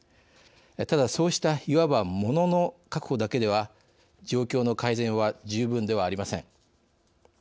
ただ、そうしたいわばモノの確保だけでは状況の改善は十分ではありません。